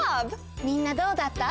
みんなどうだった？